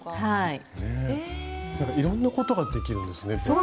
なんかいろんなことができるんですね。